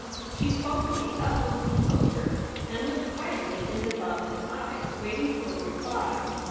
She spoke with the utmost composure, and looked quietly into Falcon's eyes, waiting for a reply.